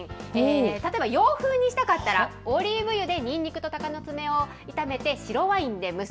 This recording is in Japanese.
例えば洋風にしたかったら、オリーブ油でにんにくとたかの爪を炒めて、白ワインで蒸す。